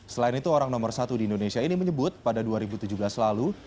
selain itu orang nomor satu di indonesia ini menyebut pada dua ribu tujuh belas lalu